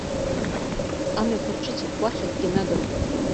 Амҩақәа рҿыцуп, уахь акгьы нагам.